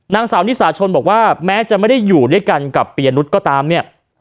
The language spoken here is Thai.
นางสาวนิสาชนบอกว่าแม้จะไม่ได้อยู่ด้วยกันกับปียนุษย์ก็ตามเนี่ย